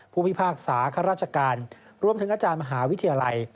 พิพากษาข้าราชการรวมถึงอาจารย์มหาวิทยาลัย